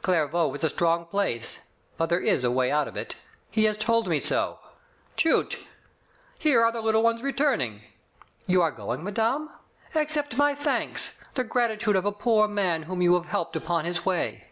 Clairvaux is a strong place, but there is a way out of it. He has told me so. Chut ! Here are the little ones returning. You are goings madame? Accept my thanks, the gratitude of a poor man whom you have helped upon his way.